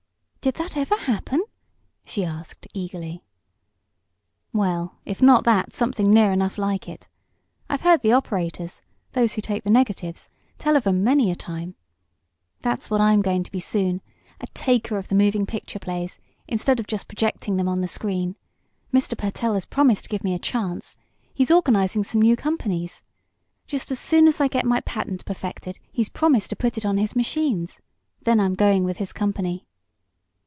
"Did that ever happen?" she asked, eagerly. "Well, if not that, something near enough like it. I've heard the operators those who take the negatives tell of 'em many a time. That's what I'm going to be soon a taker of the moving picture plays instead of just projecting them on the screen. Mr. Pertell has promised to give me a chance. He's organizing some new companies. "Just as soon as I get my patent perfected he's promised to put it on his machines. Then I'm going with his company."